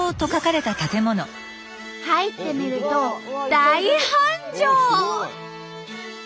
入ってみると大繁盛！